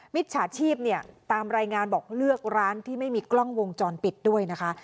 มิจฉาชีพเนี่ยตามรายงานบอกเลือกร้านที่ไม่มีกล้องวงจรปิดด้วยนะคะ